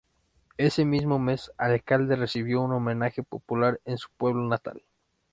Ese mismo mes Alcalde recibió un homenaje popular en su pueblo natal.